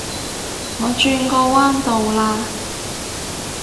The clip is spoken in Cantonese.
我轉個彎到啦